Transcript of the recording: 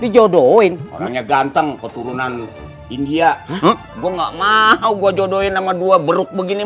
jodohin orangnya ganteng keturunan india gua nggak mau gua jodohin sama dua beruk begini